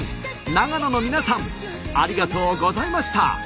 長野の皆さんありがとうございました。